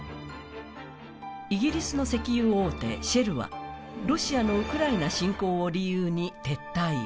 イギリスの石油大手、シェルはロシアのウクライナ侵攻を理由に撤退。